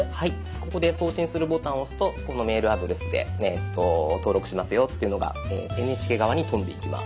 ここで「送信する」ボタンを押すとこのメールアドレスで登録しますよっていうのがＮＨＫ側に飛んでいきます。